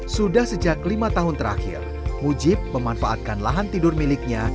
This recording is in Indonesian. sudah sejak lima tahun terakhir mujib memanfaatkan lahan tidur miliknya